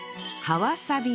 葉わさび